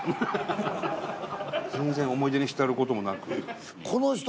全然思い出に浸る事もなく。